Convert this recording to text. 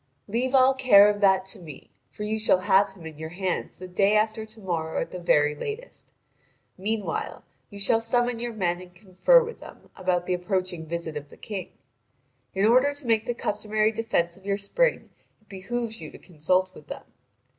"Leave all care of that to me; for you shall have him in your hands the day after to morrow at the very latest. Meanwhile you shall summon your men and confer with them about the approaching visit of the King. In order to make the customary defence of your spring it behoves you to consult with them.